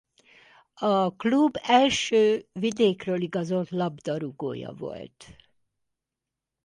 A klub első vidékről igazolt labdarúgója volt.